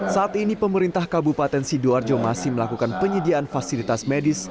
saat ini pemerintah kabupaten sidoarjo masih melakukan penyediaan fasilitas medis